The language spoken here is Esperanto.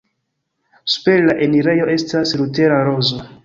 Super la enirejo estas Lutera rozo.